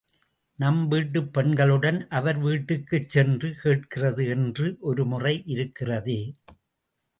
நம் வீட்டுப் பெண்களுடன் அவர் வீட்டுக்குச்சென்று கேட்கிறது என்ற ஒருமுறை இருக்கிறதே!